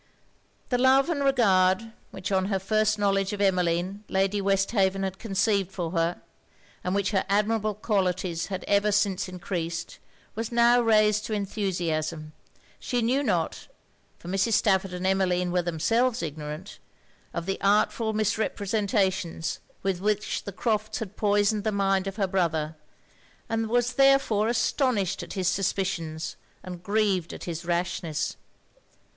The love and regard, which on her first knowledge of Emmeline Lady Westhaven had conceived for her, and which her admirable qualities had ever since encreased, was now raised to enthusiasm. She knew not (for Mrs. Stafford and Emmeline were themselves ignorant) of the artful misrepresentations with which the Crofts' had poisoned the mind of her brother; and was therefore astonished at his suspicions and grieved at his rashness.